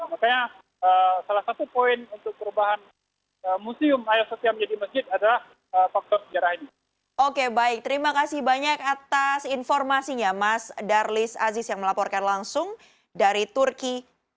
makanya salah satu poin untuk perubahan museum haya sofia menjadi masjid adalah faktor sejarah ini